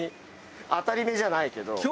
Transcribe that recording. あたりめじゃないけど。